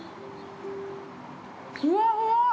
ふわふわ！